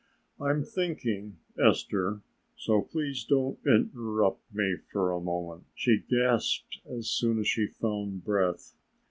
"I'm thinking, Esther, so please don't interrupt me for a moment," she gasped as soon as she found breath.